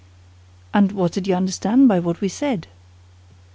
"And what did you understand by what we said?"